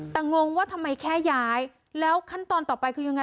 แต่งงว่าทำไมแค่ย้ายแล้วขั้นตอนต่อไปคือยังไง